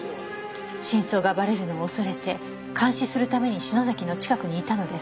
「真相がばれるのを恐れて監視するために篠崎の近くにいたのです」